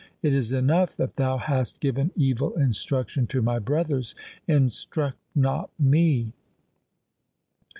It is enough that thou hast given evil instruction to my brothers ; instruct not me.